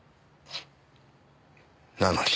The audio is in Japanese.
なのに。